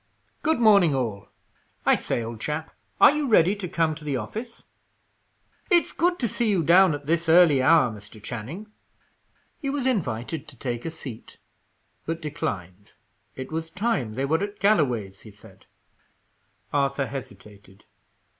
"Good morning all! I say, old chap, are you ready to come to the office? It's good to see you down at this early hour, Mr. Channing." He was invited to take a seat, but declined; it was time they were at Galloway's, he said. Arthur hesitated.